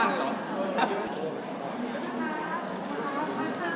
ครับผมครับผมครับผม